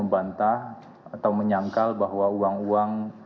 membantah atau menyangkal bahwa uang uang